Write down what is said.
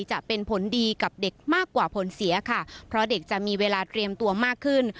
จะเป็นผลดีกับเด็กมากกว่าผลเสียค่ะเพราะเด็กจะมีเวลาเตรียมตัวมากขึ้น